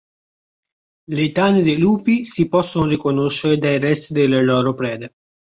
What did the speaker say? Le tane dei lupi si possono riconoscere dai resti delle loro prede.